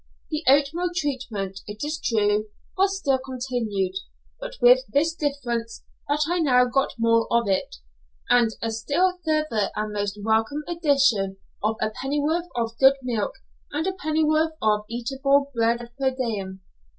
The oatmeal treatment, it is true, was still continued, but with this difference that I now got more of it, and a still further and most welcome addition of a pennyworth of good milk and a pennyworth of eatable bread per diem.